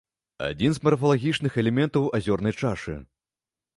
Адзін з марфалагічных элементаў азёрнай чашы.